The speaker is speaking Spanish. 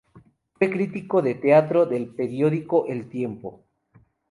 Fue crítico de teatro del periódico El Tiempo.